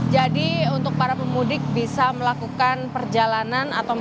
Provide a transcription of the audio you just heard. jadi untuk para pemudik bisa melakukan perjalanan atau melanjutkan